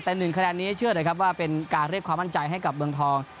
แต่๑คะแนนนี้เชื่อเลยครับว่าเป็นการเรียกความมั่นใจให้กับเมืองทอง